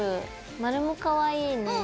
マルもかわいいね。